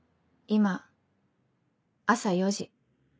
「今朝４時。